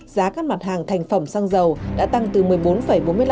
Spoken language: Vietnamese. giá các mặt hàng thành phẩm xăng dầu đã tăng từ một mươi bốn bốn mươi năm lên hai mươi tám mươi tám